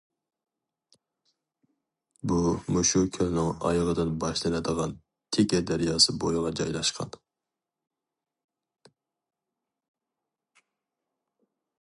بۇ مۇشۇ كۆلنىڭ ئايىغىدىن باشلىنىدىغان تېكە دەرياسى بويىغا جايلاشقان.